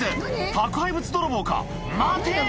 宅配物泥棒か待て！」